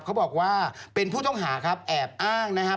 เขาบอกว่าเป็นผู้ต้องหาครับแอบอ้างนะครับ